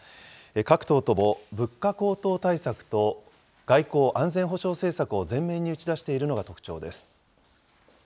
各党とも物価高騰対策と外交・安全保障政策を前面に打ち出しているのが特徴です。